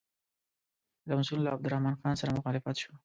لمسون له عبدالرحمن خان سره مخالف شو.